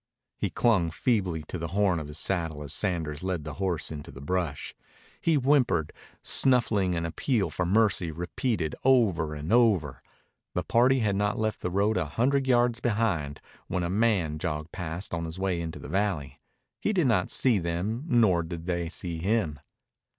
He clung feebly to the horn of his saddle as Sanders led the horse into the brush. He whimpered, snuffling an appeal for mercy repeated over and over. The party had not left the road a hundred yards behind when a man jogged past on his way into the valley. He did not see them, nor did they see him.